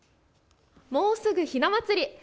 もうすぐひな祭り。